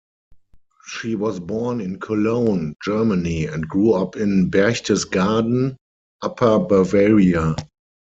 She was born in Cologne, Germany, and grew up in Berchtesgaden, Upper Bavaria.